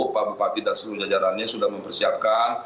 pak bupati dan seluruh jajarannya sudah mempersiapkan